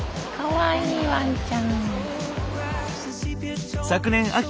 かわいいワンちゃん。